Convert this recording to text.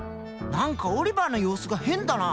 何かオリバーの様子が変だな？